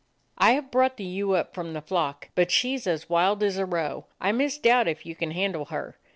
"I have brought the ewe up from the flock, but she 's as wild as a roe. I misdoubt if you can handle her.